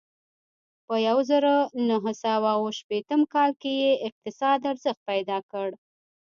په یوه زرو نهه سوه اوه شپېتم کال کې یې اقتصاد ارزښت پیدا کړ.